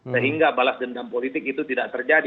sehingga balas dendam politik itu tidak terjadi